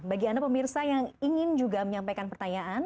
bagi anda pemirsa yang ingin juga menyampaikan pertanyaan